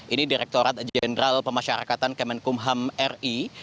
ini direkturat jenderal pemasyarakatan kemenkumham ri